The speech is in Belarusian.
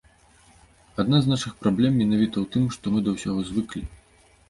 Адна з нашых праблем менавіта ў тым, што мы да ўсяго звыклі.